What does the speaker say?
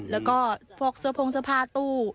แล้วก็พวกเสื้อโพงเสื้อผ้าตู้